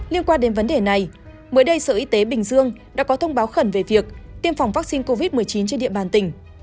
liên quan đến vấn đề này mới đây sở y tế bình dương đã có thông báo khẩn về việc tiêm phòng vaccine covid một mươi chín trên địa bàn tỉnh